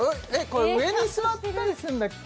これ上に座ったりすんだっけ？